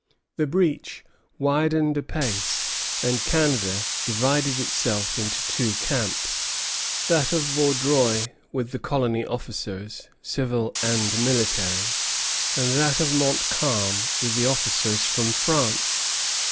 The breach widened apace, and Canada divided itself into two camps: that of Vaudreuil with the colony officers, civil and military, and that of Montcalm with the officers from France.